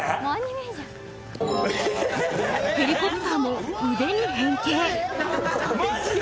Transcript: ・ええヘリコプターも腕に変形・マジで！？